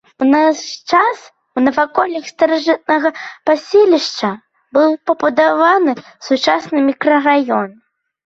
У наш час у наваколлях старажытнага паселішча быў пабудаваны сучасны мікрараён.